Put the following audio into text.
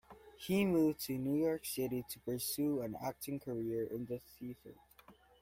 He moved to New York City to pursue an acting career in the theatre.